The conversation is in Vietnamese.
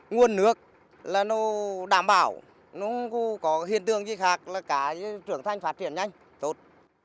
nguồn nước là nó đảm bảo nó có hiện tượng gì khác là cái trưởng thanh phát triển nhanh tốt